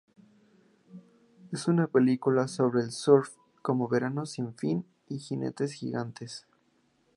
Es una película sobre el surf como "Verano sin fin" y "Jinetes gigantes".